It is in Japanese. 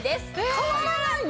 変わらないの？